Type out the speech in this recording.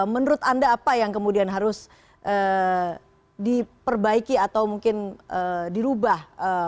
menurut anda apa yang kemudian harus diperbaiki atau mungkin dirubah